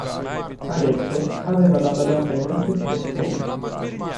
Adesso, aveva da badar bene a sé stesso.